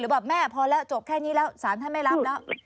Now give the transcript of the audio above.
แบบแม่พอแล้วจบแค่นี้แล้วสารท่านไม่รับแล้ว